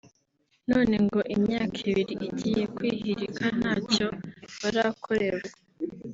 none ngo imyaka ibiri igiye kwihirika ntacyo barakorerwa